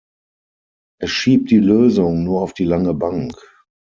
Es schiebt die Lösung nur auf die lange Bank.